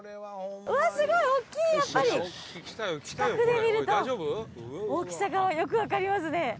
うわっすごい大きいやっぱり近くで見ると大きさがよく分かりますね